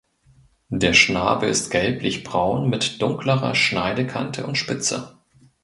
Der Schnabel ist gelblich braun mit dunklerer Schneidekante und Spitze.